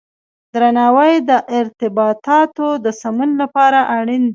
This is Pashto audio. درناوی د ارتباطاتو د سمون لپاره اړین دی.